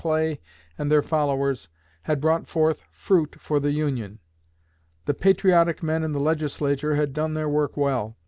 Clay, and their followers, had brought forth fruit for the Union. The patriotic men in the Legislature had done their work well.